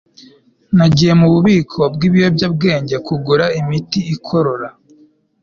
nagiye mu bubiko bw'ibiyobyabwenge kugura imiti ikorora